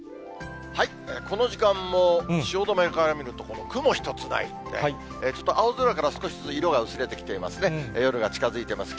この時間も汐留から見ると、この雲一つない、ちょっと青空から少しずつ色が薄れてきていますね。